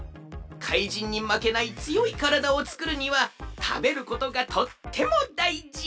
かいじんにまけないつよいからだをつくるにはたべることがとってもだいじ。